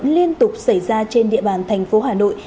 liên tục xảy ra trên địa bàn thành phố hà nội